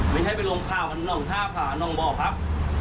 ไม่ใช่เป็นลมข่าวหนองท่าผ่านองบอกครับ